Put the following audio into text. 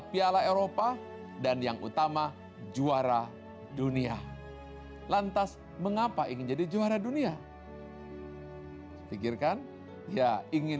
piala eropa dan yang utama juara dunia lantas mengapa ingin jadi juara dunia pikirkan ya ingin